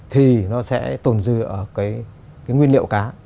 thì nó sẽ tồn dư ở cái nguyên liệu cá